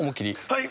はい。